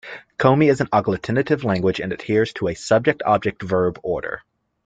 Komi is an agglutinative language and adheres to a subject-object-verb order.